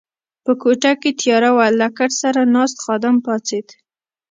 په کوټه کې تیاره وه، له کټ سره ناست خادم پاڅېد.